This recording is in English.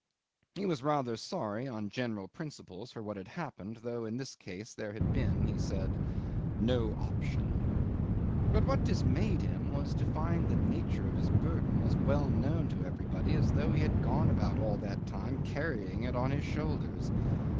He was rather sorry, on general principles, for what had happened, though in this case there had been, he said, "no option." But what dismayed him was to find the nature of his burden as well known to everybody as though he had gone about all that time carrying it on his shoulders.